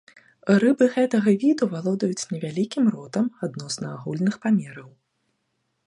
Рыбы гэтага віду валодаюць невялікім ротам адносна агульных памераў.